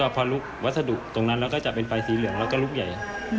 พอลุกวัสดุตรงนั้นแล้วก็จะเป็นใบสีเหลืองแล้วก็ลุกใหญ่